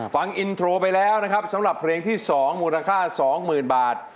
ฟังอินโทรไปแล้วนะครับสำหรับเพลงที่๒มูลค่า๒๐๐๐บาท